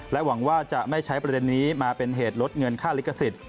หวังว่าจะไม่ใช้ประเด็นนี้มาเป็นเหตุลดเงินค่าลิขสิทธิ์